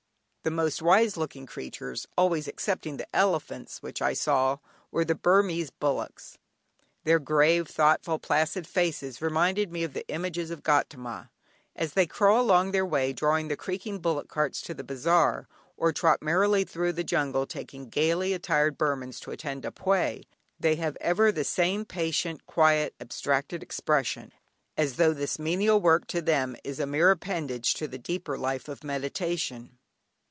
The most wise looking creatures (always excepting the elephants) which I saw were the Burmese bullocks. Their grave, thoughtful, placid faces reminded me of the images of Gaudama. As they crawl along their way drawing the creaking bullock carts to the bazaar, or trot merrily through the jungle, taking gaily attired Burmans to attend a Pwé, they have ever the same patient, quiet, abstracted expression, as though this menial work is to them a mere appendage to the deeper life of meditation.